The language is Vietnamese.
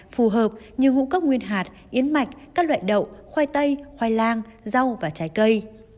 phù hợp như ngũ cốc nguyên hạt yến mạch các loại đậu khoai tây khoai lang rau và trái cây